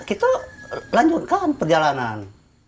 kita lanjutkan perjalanan